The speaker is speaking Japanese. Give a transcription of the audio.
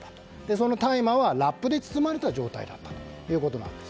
その大麻はラップで包まれた状態だったということなんです。